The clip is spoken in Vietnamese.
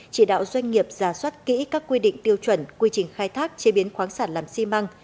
chỉ đạo doanh nghiệp giả soát kỹ các quy định tiêu chuẩn quy trình khai thác chế biến khoáng sản làm xi măng